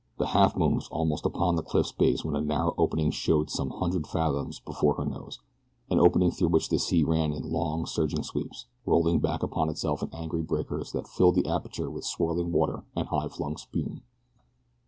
The Halfmoon was almost upon the cliff's base when a narrow opening showed some hundred fathoms before her nose, an opening through which the sea ran in long, surging sweeps, rolling back upon itself in angry breakers that filled the aperture with swirling water and high flung spume.